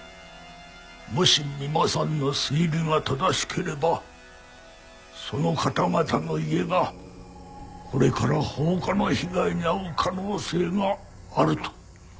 もし三馬さんの推理が正しければその方々の家がこれから放火の被害に遭う可能性があると。